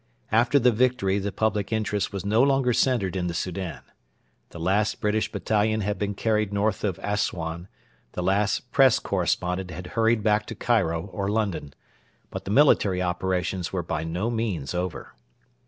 After the victory the public interest was no longer centred in the Soudan. The last British battalion had been carried north of Assuan; the last Press correspondent had hurried back to Cairo or London. But the military operations were by no means over.